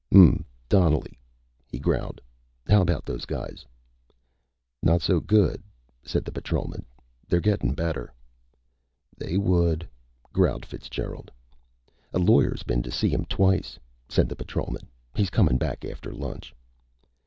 "Hm m m. Donnelly," he growled. "How about those guys?" "Not so good," said the patrolman. "They're gettin' better." "They would," growled Fitzgerald. "A lawyer's been to see 'em twice," said the patrolman. "He's comin' back after lunch."